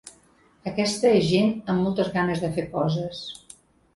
Aquesta és gent amb moltes ganes de fer coses.